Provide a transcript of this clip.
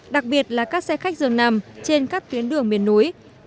đặc biệt là các xe khách dường nằm trên các tuyến đường miền núi